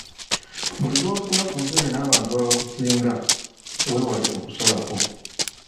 Buli lw’otuula ku ntebe n’abantu abakusinga weewale “okusalako”.